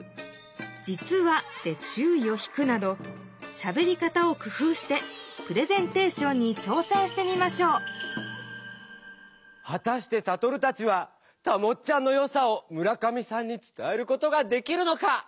しゃべり方を工ふうしてプレゼンテーションにちょうせんしてみましょうはたしてサトルたちはたもっちゃんのよさを村上さんに伝えることができるのか⁉